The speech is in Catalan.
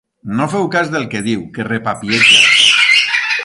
No feu cas del que diu, que repapieja.